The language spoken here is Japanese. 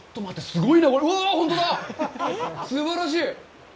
すばらしい！